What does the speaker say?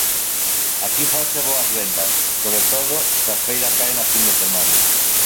Aquí fanse boas vendas, sobre todo se a feira cae na fin de semana.